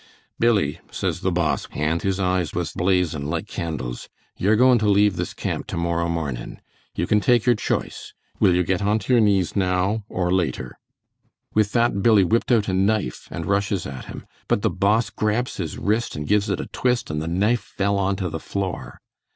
'Billie,' says the Boss, and his eyes was blazin' like candles; 'yer goin' to leave this camp to morrow mornin'. You can take your choice; will you get onto your knees now or later?' With that Billie whipped out a knife and rushes at him; but the Boss grabs his wrist and gives it a twist, and the knife fell onto the floor.